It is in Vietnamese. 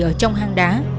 ở trong hang đá